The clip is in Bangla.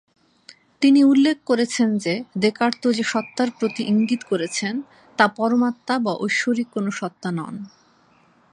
তিনি উল্লেখ করেছেন যে দেকার্ত যে সত্তার প্রতি ইঙ্গিত করেছেন তা পরমাত্মা বা ঐশ্বরিক কোনো সত্তা নন।